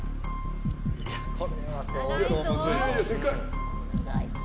これは相当むずいぞ。